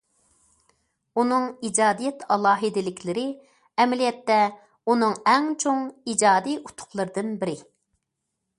ئۇنىڭ ئىجادىيەت ئالاھىدىلىكلىرى ئەمەلىيەتتە ئۇنىڭ ئەڭ چوڭ ئىجادىي ئۇتۇقلىرىدىن بىرى.